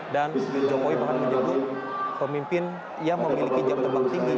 dan joko widodo juga menyebut pemimpin yang memiliki jabatan terbang tinggi